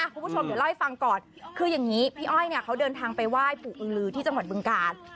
คุณผู้ชมเดี๋ยวเล่าให้ฟังก่อนคืออย่างนี้พี่อ้อยเนี่ยเขาเดินทางไปไหว้ปู่อือลือที่จังหวัดบึงกาล